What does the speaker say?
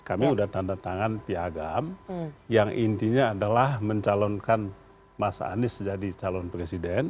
kami sudah tanda tangan piagam yang intinya adalah mencalonkan mas anies jadi calon presiden